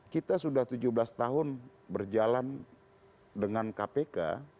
kita sudah tujuh belas tahun berjalan dengan kpk